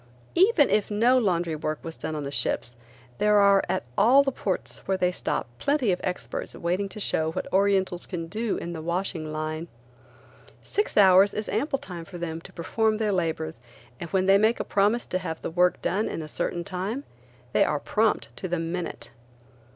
Even if no laundry work was done on the ships, there are at all of the ports where they stop plenty of experts waiting to show what Orientals can do in the washing line. Six hours is ample time for them to perform their labors and when they make a promise to have work done in a certain time, they are prompt to the minute.